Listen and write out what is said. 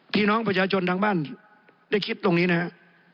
พี่น้องประชาชนทางบ้านได้คิดตรงนี้นะครับ